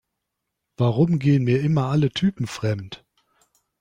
Warum gehen mir immer alle Typen fremd?